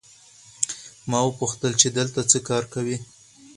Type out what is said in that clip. ما وپوښتل چې دلته څه کار کوې؟